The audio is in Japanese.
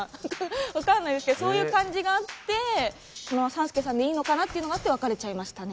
わかんないですけどそういう感じがあってこのまま３助さんでいいのかな？っていうのがあって別れちゃいましたね。